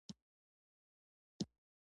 فطري پوهه انسان ته بصیرت ورکوي.